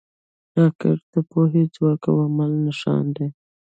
راکټ د پوهې، ځواک او عمل نښان دی